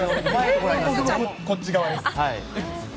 こっち側です。